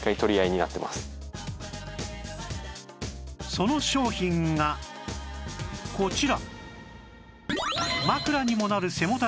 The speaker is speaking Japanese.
その商品がこちら